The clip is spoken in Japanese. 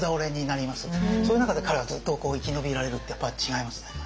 そういう中で彼はずっと生き延びられるってやっぱ違いますね。